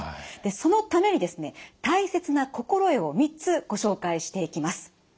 そのためにですね大切な心得を３つご紹介していきます。